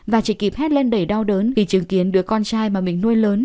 và chỉ kịp hết lên đầy đau đớn vì chứng kiến đứa con trai mà mình nuôi lớn